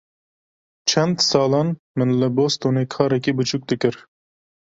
Çend salan min li Bostonê karekî biçûk dikir.